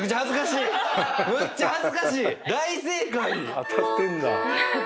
当たってんだ。